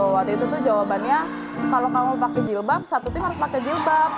waktu itu tuh jawabannya kalau kamu pakai jilbab satu tim harus pakai jilbab